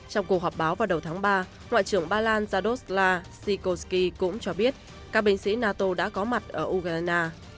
trong cuộc họp báo vào đầu tháng ba ngoại trưởng ba lan zadorsla sikosky cũng cho biết các binh sĩ nato đã có mặt ở ukraine